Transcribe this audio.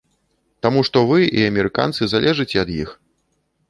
Таму што вы і амерыканцы залежыце ад іх.